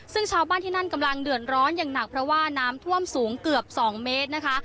ซึ่งชาวบ้านที่นั่นกำลังเดือดร้อนอย่างหนักเพราะว่าน้ำท่วมสูงเกือบ๒เมตรนะคะ